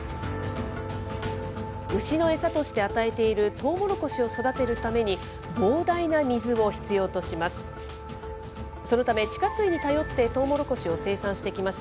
牛の餌として与えているトウモロコシを育てるために、膨大な水を必要とします。